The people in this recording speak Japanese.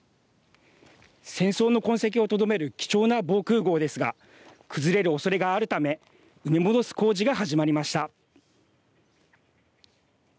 戦争の痕跡をとどめる貴重な防空ごうですが崩れるおそれがあるため埋め戻す工事が始まりました。